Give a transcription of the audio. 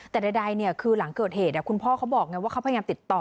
แต่ใดคือหลังเกิดเหตุคุณพ่อเขาบอกไงว่าเขาพยายามติดต่อ